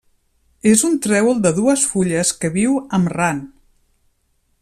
És un trèvol de dues fulles que viu amb Ran.